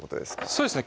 そうですね